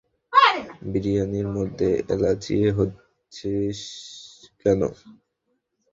বিরিয়ানির মধ্যে এলাচি হচ্ছিস কেন?